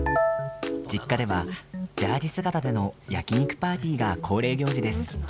実家では、ジャージ姿での焼き肉パーティーが恒例行事です。